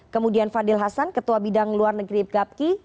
kemudian fadil hasan ketua bidang luar negeri gapki